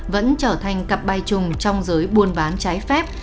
vẫn trở thành cặp bài chung trong giới buôn bán trái phép